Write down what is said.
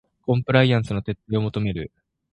コンプライアンスの徹底を求める